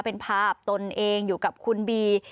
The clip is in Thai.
เป็นภาพตนเองอยู่กับคุณบี